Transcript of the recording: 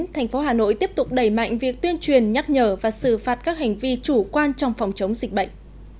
thành phố hà nội tiếp tục đẩy mạnh việc tuyên truyền nhắc nhở và xử phạt các hành vi chủ quan trong phòng chống dịch bệnh